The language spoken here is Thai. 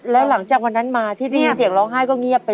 แล้วหลังจากวันนั้นมาที่ได้ยินเสียงร้องไห้ก็เงียบไป